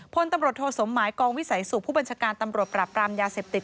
พลตำรวจโทสมหมายกองวิสัยสุขผู้บัญชาการตำรวจปราบปรามยาเสพติด